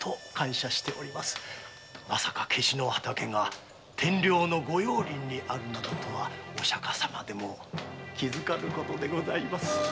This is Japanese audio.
まさかケシの畑が天領の御用林にあるなどとはおシャカ様でも気づかぬことでございます。